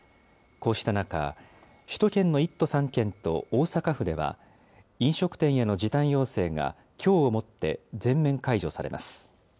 こうした中、首都圏の１都３県と大阪府では、飲食店への時短要請がきょうをもって全面解除されます。